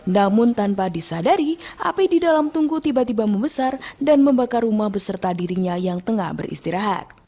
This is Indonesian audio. namun tanpa disadari api di dalam tungku tiba tiba membesar dan membakar rumah beserta dirinya yang tengah beristirahat